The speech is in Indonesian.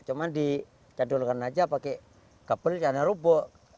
cuma dicandalkan saja pakai kabel karena rubuh